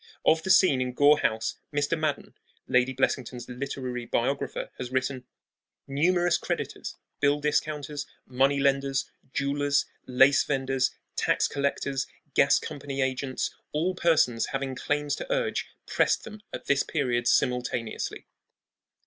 Of the scene in Gore House Mr. Madden, Lady Blessington's literary biographer, has written: Numerous creditors, bill discounters, money lenders, jewelers, lace venders, tax collectors, gas company agents, all persons having claims to urge pressed them at this period simultaneously.